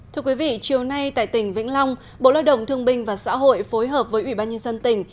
thưa quý vị chiều nay tại tỉnh vĩnh long bộ lao động thương binh và xã hội phối hợp với ủy ban nhân dân tỉnh